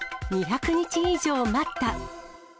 ２００日以上待った。